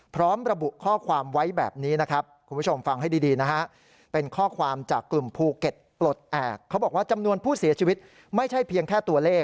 พร้อมระบุข้อความไว้แบบนี้นะครับคุณผู้ชมฟังให้ดีนะฮะ